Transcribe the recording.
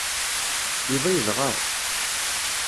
Yuba yedɣer.